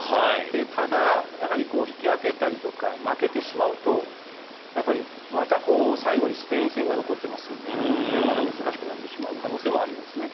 ただ、やはり引き分けたりとか負けてしまうと最後にスペイン戦が残っていますのでこれがまた難しくなってしまう可能性もありますね。